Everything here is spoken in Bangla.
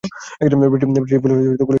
ব্রিটিশ পুলিশ গুলি চালানো শুরু করেন।